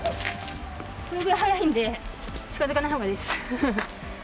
これぐらい速いんで、近づかないほうがいいです。